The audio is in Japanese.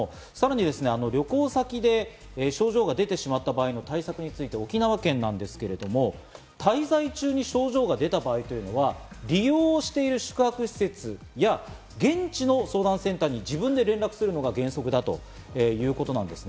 さらに旅行先で、症状が出てしまった場合の対策について沖縄県ですが、滞在中に症状が出た場合は、利用している宿泊施設や現地の相談センターに自分で連絡するのが原則だということです。